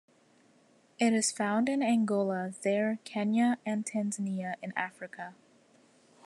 It is found in Angola, Zaire, Kenya and Tanzania in Africa.